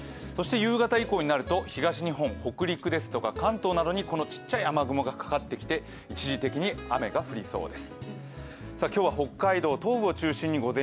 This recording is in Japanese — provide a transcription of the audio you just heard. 夕方以降になると東日本、北陸ですとか関東に小さい雨雲がかかってきて一時的に雨が降りそうです。